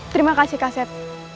terima kasih kaset